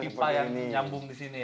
pakai pipa yang nyambung di sini ya